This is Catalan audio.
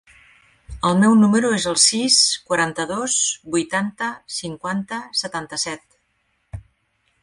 El meu número es el sis, quaranta-dos, vuitanta, cinquanta, setanta-set.